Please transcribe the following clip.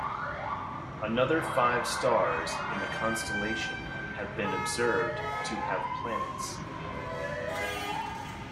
Another five stars in the constellation have been observed to have planets.